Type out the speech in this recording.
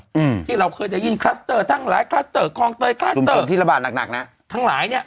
อืมที่เราเคยได้ยินคลัสเตอร์ทั้งหลายคลัสเตอร์คลองเตยคลัสเตอร์ที่ระบาดหนักหนักนะทั้งหลายเนี้ย